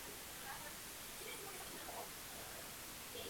Sobre el final del libro de pases, se sumó a Colón.